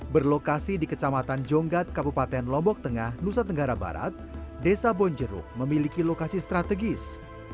berlokasi di kecamatan jonggat kabupaten lombok tengah nusa tenggara barat desa bonjeruk memiliki lokasi strategis